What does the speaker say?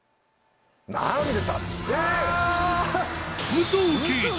武藤敬司